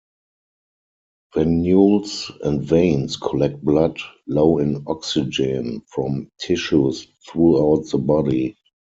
Venules and veins collect blood low in oxygen from tissues throughout the body.